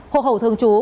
hộ hậu thương chú